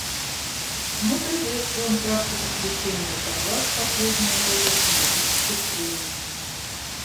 Мы приветствуем практику включения в доклад в последние годы тематических прений.